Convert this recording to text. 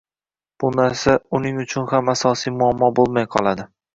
bu narsa uning uchun ham asosiy muammo bo‘lmay qoladi